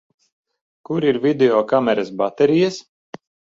Kur ir videokameras baterijas?